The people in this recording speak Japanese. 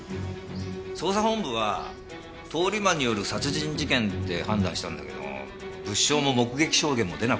捜査本部は通り魔による殺人事件って判断したんだけども物証も目撃証言も出なくてな。